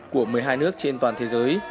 của một mươi hai nước trên toàn thế giới